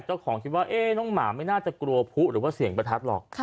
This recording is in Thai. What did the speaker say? เจ้าของคิดว่าน้องหมาไม่น่าจะกลัวผู้หรือว่าเสียงประทัดหรอก